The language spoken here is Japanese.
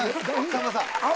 さんまさん。